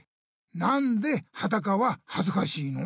なんではだかははずかしいの？